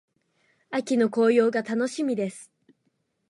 秋の紅葉が楽しみです。